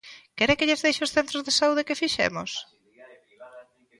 ¿Quere que lles deixe os centros de saúde que fixemos?